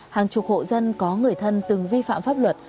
hàng chục hộ dân có người thân từng vi phạm pháp luật